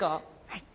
はい。